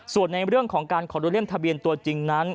ส่วนในเรื่องของการคอนโดเลี่ยมทะเบียนตัวจริงนั้น